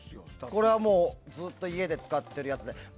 これはもうずっと家で使ってるやつで。